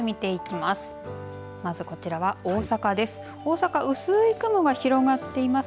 まずこちらは大阪です。